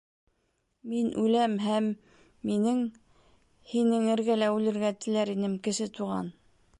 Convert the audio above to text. Мин үләм һәм минең... һинең эргәлә үлергә теләр инем, Кесе Туған.